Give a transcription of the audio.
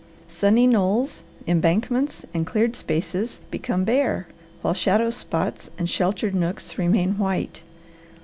Sunny knolls, embankments, and cleared spaces become bare, while shadow spots and sheltered nooks remain white.